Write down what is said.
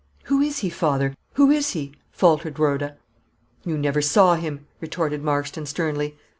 "Who is he, father, who is he?" faltered Rhoda. "You never saw him," retorted Marston, sternly.